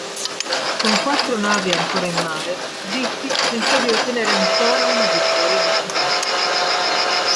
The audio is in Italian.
Con quattro navi ancora in mare, Beatty pensò di ottenere ancora una vittoria decisiva.